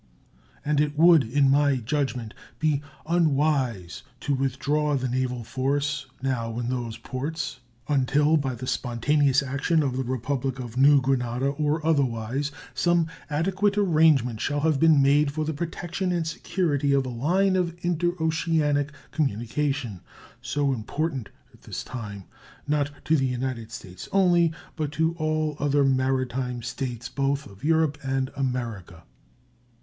And it would, in my judgment, be unwise to withdraw the naval force now in those ports until, by the spontaneous action of the Republic of New Granada or otherwise, some adequate arrangement shall have been made for the protection and security of a line of interoceanic communication, so important at this time not to the United States only, but to all other maritime states, both of Europe and America.